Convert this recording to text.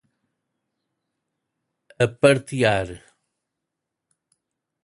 apartear